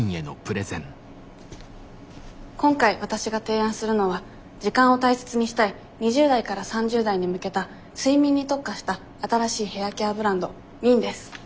今回わたしが提案するのは時間を大切にしたい２０代から３０代に向けた睡眠に特化した新しいヘアケアブランド「Ｍｉｎ」です。